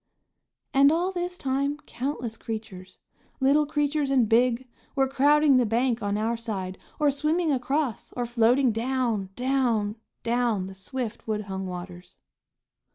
And all this time countless creatures, little creatures and big, were crowding the bank on our side or swimming across or floating down, down, down the swift, woodhung waters.